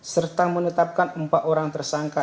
serta menetapkan empat orang tersangka